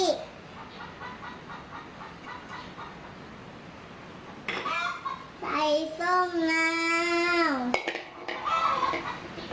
ใส่ส้มลาว